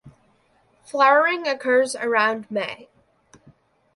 Flowering occurs around May.